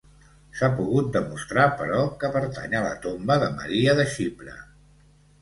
S'ha pogut demostrar, però, que pertany a la tomba de Maria de Xipre.